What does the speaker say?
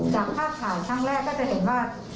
จากภาพข่าวครั้งแรกก็จะเห็นว่า